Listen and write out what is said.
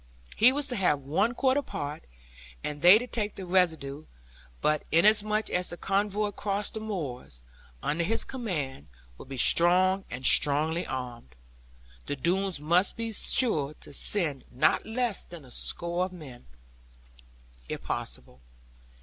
He was to have one quarter part, and they to take the residue. But inasmuch as the convoy across the moors, under his command, would be strong, and strongly armed, the Doones must be sure to send not less than a score of men, if possible.